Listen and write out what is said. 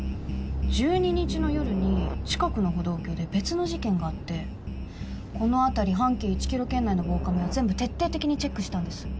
１２日の夜に近くの歩道橋で別の事件があってこの辺り半径１ｋｍ圏内の防カメは全部徹底的にチェックしたんです。